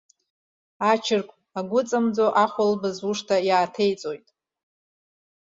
Ачыргә агәыҵамӡо, ахәылԥаз уашҭа иааҭеиҵоит.